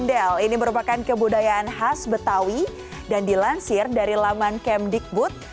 ondel ini merupakan kebudayaan khas betawi dan dilansir dari laman kemdikbud